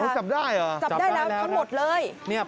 ฮู้จับได้เหรอครับจับได้ละคอนหมดเลยอะจับได้ละครับ